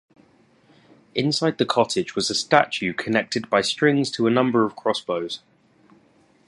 Inside the cottage was a statue, connected by strings to a number of crossbows.